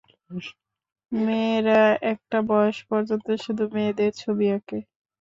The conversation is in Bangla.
মেয়েরা একটা বয়স পর্যন্ত শুধু মেয়েদের ছবি আঁকে।